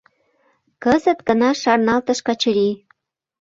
— Кызыт гына шарналтыш Качырий.